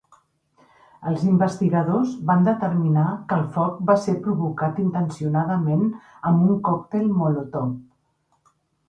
Els investigadors van determinar que el foc va ser provocat intencionadament amb un còctel Molotov.